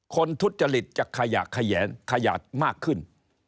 คนทุจริตจะขยะขยะขยะมากขึ้น